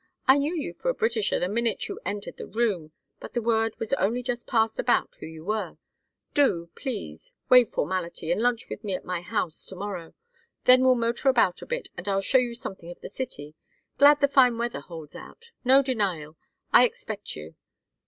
I knew you for a Britisher the minute you entered the room, but the word was only just passed about who you were. Do please waive formality and lunch with me at my house to morrow. Then we'll motor about a bit and I'll show you something of the city. Glad the fine weather holds out. No denial. I expect you."